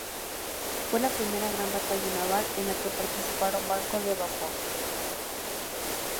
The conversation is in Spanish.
Fue la primera gran batalla naval en la que participaron barcos de vapor.